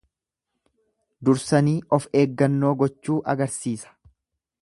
Dursanii of eeggannoo gochuu agarsiisa.